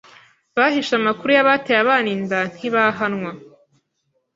bahishe amakuru y’abateye abana inda ntibahanwa.